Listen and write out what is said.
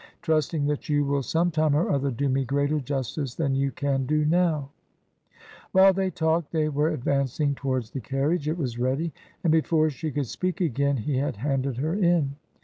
. trusting that you will some time or other do me greater justice than you can do now/ While they talked, they were advancing towards the carriage; it was ready, and before she could speak again he had handed her in.